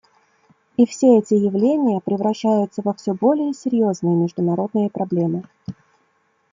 И все эти явления превращаются во все более серьезные международные проблемы.